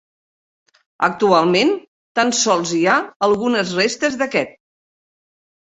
Actualment tan sols hi ha algunes restes d'aquest.